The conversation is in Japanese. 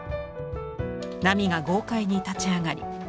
波が豪快に立ち上がり